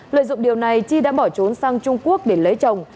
lợi dụng điều này chi đã bỏ trốn sang trung quốc để lấy chồng